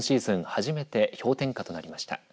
初めて氷点下となりました。